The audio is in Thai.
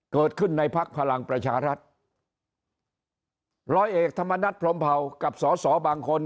เกิดขึ้นในพักพลังประชารัฐร้อยเอกธรรมนัฐพรมเผากับสอสอบางคน